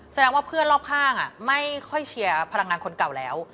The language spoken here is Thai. แสดงว่าเพื่อนรอบข้างไม่ค่อยเชียร์พลังงานคนเก่าแล้ว